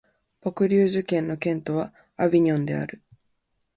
ヴォクリューズ県の県都はアヴィニョンである